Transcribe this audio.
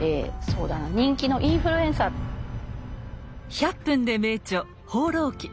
「１００分ｄｅ名著」「放浪記」。